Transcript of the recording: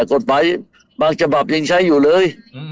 กฎหมายบางฉบับยังใช้อยู่เลย